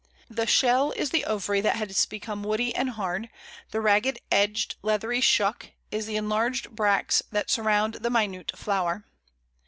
The shell is the ovary that has become woody and hard; the ragged edged leathery "shuck" is the enlarged bracts that surrounded the minute flower.